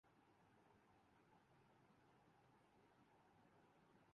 خوشا کہ آج ہر اک مدعی کے لب پر ہے